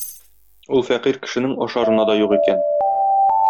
Ул фәкыйрь кешенең ашарына да юк икән.